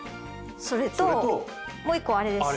それともう一個あれです。